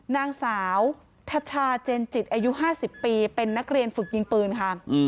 นางสาวทัชชาเจนจิตอายุ๕๐ปีเป็นนักเรียนฝึกยิงปืนค่ะ